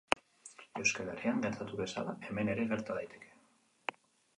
Euskal Herrian gertatu bezala, hemen ere gerta daiteke.